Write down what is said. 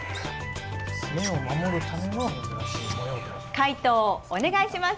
解答をお願いします。